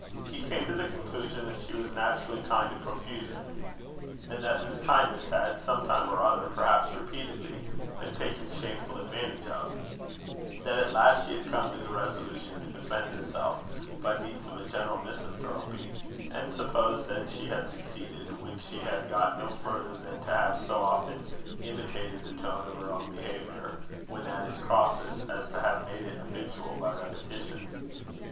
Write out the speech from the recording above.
He came to the conclusion that she was naturally kind to profusion, and that this kindness had, some time or other, perhaps repeatedly, been taken shameful advantage of; that at last she had come to the resolution to defend herself by means of a general misanthropy, and supposed that she had succeeded, when she had got no further than to have so often imitated the tone of her own behaviour when at its crossest, as to have made it habitual by repetition.